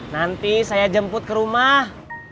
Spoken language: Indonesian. nanti saya jemput ke rumah